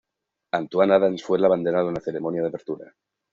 Antoine Adams fue el abanderado en la ceremonia de apertura.